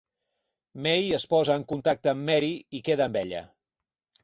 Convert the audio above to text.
May es posa en contacte amb Mary i queda amb ella.